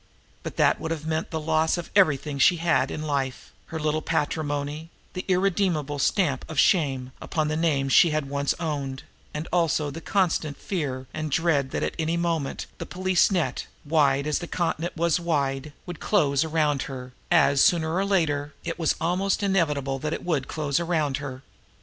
But that would have meant the loss of everything she had in life, her little patrimony, the irredeemable stamp of shame upon the name she once had owned; and also the constant fear and dread that at any moment the police net, wide as the continent was wide, would close around her, as, sooner or later, it was almost inevitable that it would close around her.